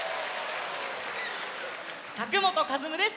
佐久本和夢です。